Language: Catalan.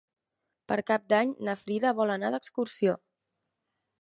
Per Cap d'Any na Frida vol anar d'excursió.